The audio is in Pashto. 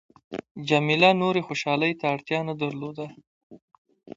جميله نورې خوشحالۍ ته اړتیا نه درلوده.